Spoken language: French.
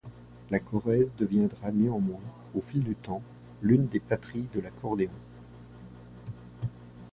La Corrèze deviendra néanmoins, au fil du temps, l'une des patries de l'accordéon.